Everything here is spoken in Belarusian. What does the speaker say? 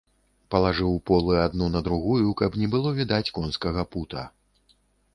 Палажыў полы адну на другую, каб не было відаць конскага пута.